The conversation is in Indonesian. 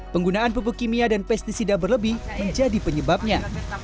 penggunaan pupuk kimia dan pesticida berlebih menjadi penyebabnya